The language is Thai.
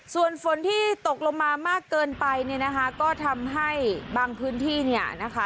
ส่วนฝนที่ตกลงมามากเกินไปเนี่ยนะคะก็ทำให้บางพื้นที่เนี่ยนะคะ